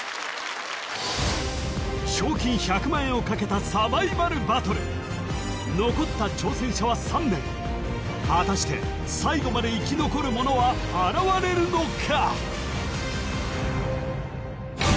賞金１００万円をかけたサバイバルバトル残った挑戦者は３名果たして最後まで生き残る者は現れるのか？